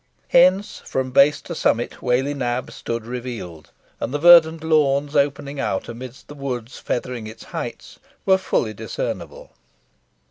Hence, from base to summit, Whalley Nab stood revealed, and the verdant lawns opening out amidst the woods feathering its heights, were fully discernible.